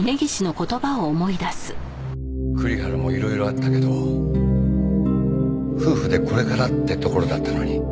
栗原もいろいろあったけど夫婦でこれからってところだったのに。